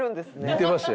似てました